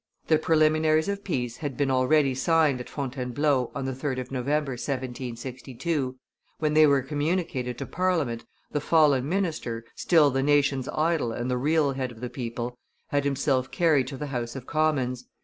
The preliminaries of peace had been already signed at Fontainebleau on the 3d of November, 1762: when they were communicated to Parliament, the fallen minister, still the nation's idol and the real head of the people, had himself carried to the House of Commons.